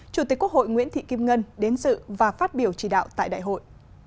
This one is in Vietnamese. chủ tịch quốc hội nguyễn thị kim ngân đến sự và phát biểu chỉ đạo tại đại hội